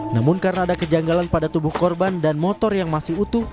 namun karena ada kejanggalan pada tubuh korban dan motor yang masih utuh